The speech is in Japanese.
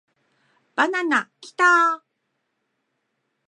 バナナキターーーーーー